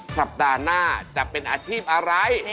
สัปดาห์หน้าจะเป็นอาชีพอะไร